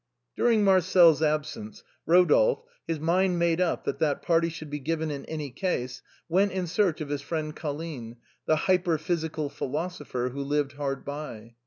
During Marcel's absence, Eodolphe, his mind made up that the party should be given in any case, went in search of his friend Colline, the hyperphysical philosopher, who lived hard by.